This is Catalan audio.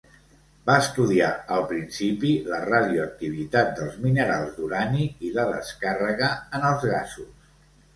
Va estudiar al principi la radioactivitat dels minerals d'urani i la descàrrega en els gasos.